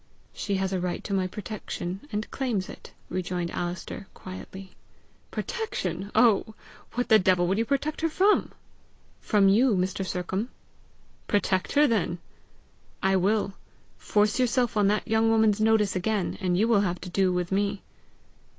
"She has a right to my protection and claims it," rejoined Alister quietly. "Protection! Oh! What the devil would you protect her from?" "From you, Mr. Sercombe." "Protect her, then." "I will. Force yourself on that young woman's notice again, and you will have to do with me."